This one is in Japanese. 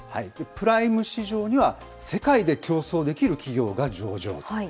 プライム市場には、世界で競争できる企業が上場と。